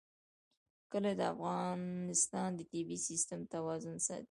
کلي د افغانستان د طبعي سیسټم توازن ساتي.